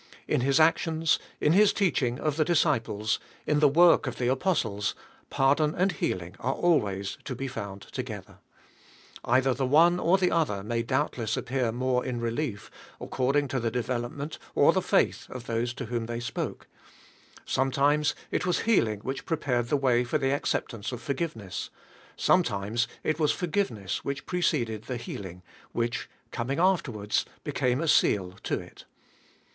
In His actions, in His teaching of the disciples, in the work of the Apostles, pardon and heal ing are always to be found together. Either the one or the other may doubtless appear more in relief, according to the DIVINE HEALING. 11 development, or the faith of those to whom they spoke. Sometimes it was healing which prepared the way for the acceptance of forgiveness, sometimes it was forgiveness which preceded the heal ing, which, coming afterwards, became a soal to it.